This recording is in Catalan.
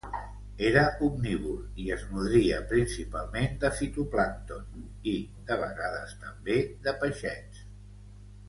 Era omnívor i es nodria principalment de fitoplàncton i, de vegades també, de peixets.